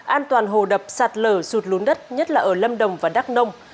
an toàn hồ đập sạt lở rụt lún đất nhất là ở lâm đồng và đắk nông